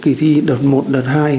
kỳ thi đợt một đợt hai